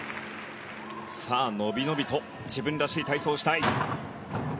伸び伸びと自分らしい体操をしたい。